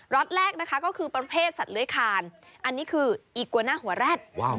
็อตแรกนะคะก็คือประเภทสัตว์เลื้อยคานอันนี้คืออีกวาหน้าหัวแร็ด